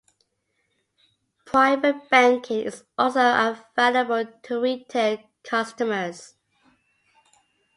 Private banking is also available to retail customers.